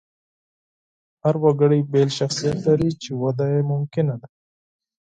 هر وګړی بېل شخصیت لري، چې وده یې ممکنه ده.